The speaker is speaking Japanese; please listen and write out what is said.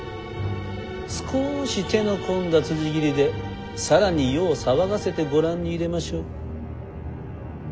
少し手の込んだつじ斬りで更に世を騒がせてご覧にいれましょう。